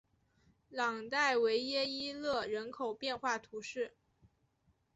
朗代维耶伊勒人口变化图示